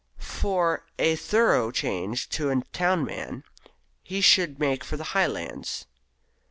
For a thorough change to a town man, he should make for the Highlands.